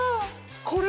これ！